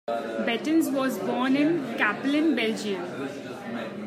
Bettens was born in Kapellen, Belgium.